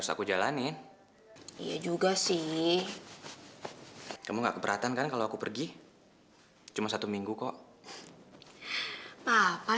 aku jalanin iya juga sih kamu nggak keberatan kan kalau aku pergi cuma satu minggu kok papa